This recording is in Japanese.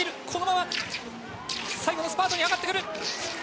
このまま、最後のスパートに上がってくる。